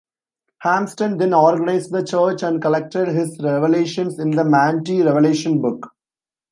Harmston then organized the church and collected his revelations in the "Manti Revelation Book".